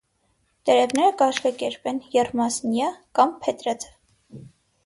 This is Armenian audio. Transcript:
Տերևները կաշեկերպ են, եռմասնյա կամ փետրաձև։